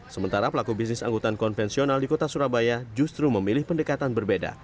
sementara pelaku bisnis angkutan konvensional di kota surabaya justru memilih pendekatan berbeda